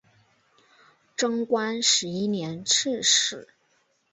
贞观十一年刺史。